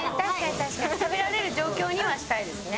食べられる状況にはしたいですね。